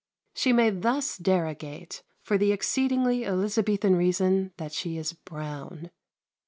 She may thus derogate, for the exceedingly Elizabethan reason that she is "brown."